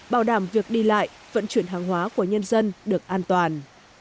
bảo đảm việc đi lại vận chuyển hàng hóa của nhân dân được an toàn